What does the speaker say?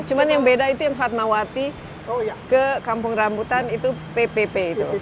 cuma yang beda itu yang fatmawati ke kampung rambutan itu ppp itu